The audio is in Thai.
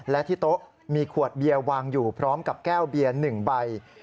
และที่โต๊ะมีขวดเบียร์วางอยู่พร้อมกับแก้วเบียน๑ใบ